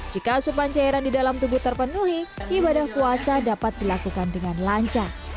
jika asupan cairan di dalam tubuh terpenuhi ibadah puasa dapat dilakukan dengan lancar